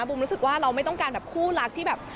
รู้สึกว่าเราไม่ต้องการแบบคู่รักที่แบบ